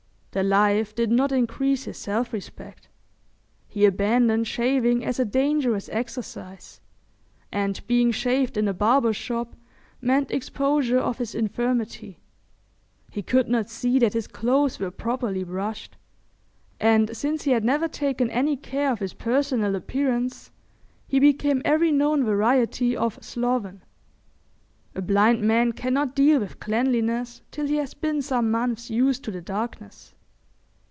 The life did not increase his self respect. He abandoned shaving as a dangerous exercise, and being shaved in a barber's shop meant exposure of his infirmity. He could not see that his clothes were properly brushed, and since he had never taken any care of his personal appearance he became every known variety of sloven. A blind man cannot deal with cleanliness till he has been some months used to the darkness.